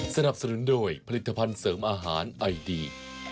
สนับสนุนโดยผลิตภัณฑ์เสริมอาหารไอดี